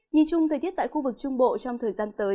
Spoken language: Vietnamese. nhìn chung thời tiết tại khu vực trung bộ trong thời gian tới